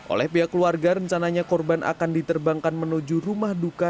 oleh pihak keluarga rencananya korban akan diterbangkan menuju rumah duka